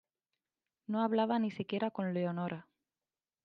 No hablaba ni siquiera con Leonora.